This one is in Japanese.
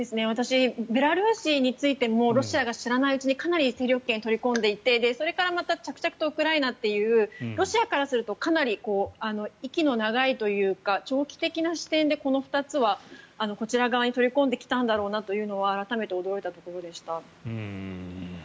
私、ベラルーシについてもロシアが知らないうちにかなり勢力圏を取り込んでいてそれからまた着々とウクライナというロシアからするとかなり息の長いというか長期的な視点でこの２つはこちら側に取り込んできたんだろうなというのは改めて驚いたところでした。